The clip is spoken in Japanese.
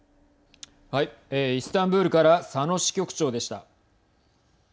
イスタンブールから佐野支局長でした。